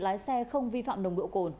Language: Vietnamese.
lái xe không vi phạm nồng độ cồn